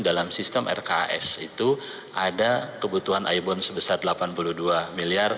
dalam sistem rks itu ada kebutuhan ibon sebesar rp delapan puluh dua miliar